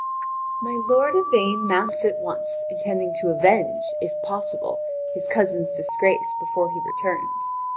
My lord Yvain mounts at once, intending to avenge, if possible, his cousin's disgrace before he returns.